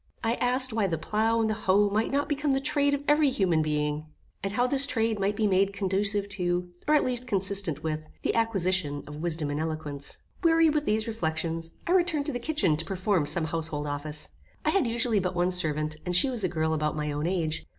I asked why the plough and the hoe might not become the trade of every human being, and how this trade might be made conducive to, or, at least, consistent with the acquisition of wisdom and eloquence. Weary with these reflections, I returned to the kitchen to perform some household office. I had usually but one servant, and she was a girl about my own age.